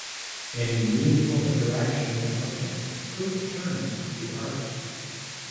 Any meaningful interaction with an object could turn it to art.